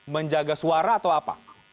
menjaga suara atau apa